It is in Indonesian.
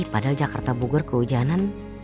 padahal jakarta buger kehujanan